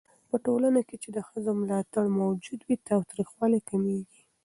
په ټولنه کې چې د ښځو ملاتړ موجود وي، تاوتريخوالی کمېږي.